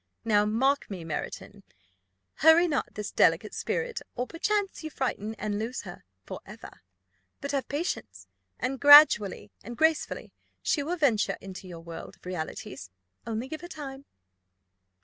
Now, mark me, Marraton: hurry not this delicate spirit, or perchance you frighten and lose her for ever; but have patience, and gradually and gracefully she will venture into your world of realities only give her time."